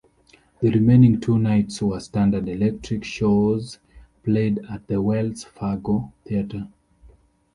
The remaining two nights were standard "electric" shows played at the Wells Fargo Theater.